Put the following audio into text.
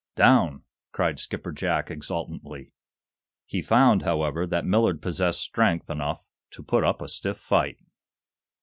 "Down!" cried Skipper Jack, exultantly. He found, however, that Millard possessed strength enough to put up a stiff fight.